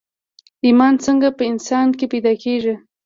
ايمان څنګه په انسان کې پيدا کېږي